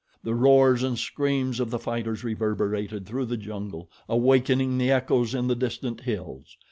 The roars and screams of the fighters reverberated through the jungle, awakening the echoes in the distant hills.